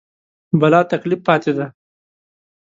بلاتکلیف پاتې دي.